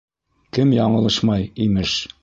— Кем яңылышмай, имеш.